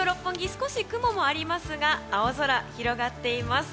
少し雲もありますが青空、広がっています。